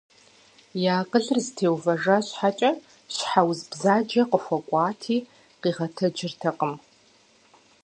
И акъылыр зэтеувэжа щхьэкӏэ, щхьэ уз бзаджэ къыхуэкӏуати къигъэтэджыртэкъым.